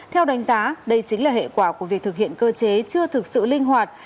theo đánh giá đây chính là hệ quả của việc thực hiện cơ chế chưa thực sự linh hoạt